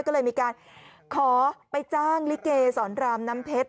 ก็เลยมีการขอไปจ้างลิเกสรรามน้ำเพชร